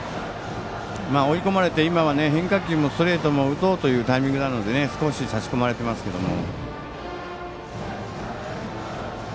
追い込まれて今は変化球もストレートも打とうというタイミングなので少し差し込まれてますけれども。